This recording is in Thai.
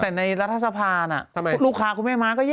แต่ในรัฐสภาลูกค้าคุณแม่ม้าก็เยอะ